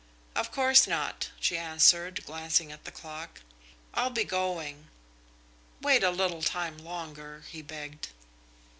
"Of course not," she answered, glancing at the clock. "I'll be going." "Wait a little time longer," he begged.